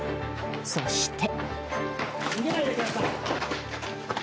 そして。